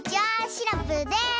シナプーです！